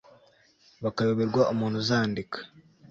bakayoberwa umuntu uzandika